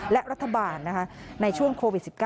และรัฐบาลในช่วงโควิด๑๙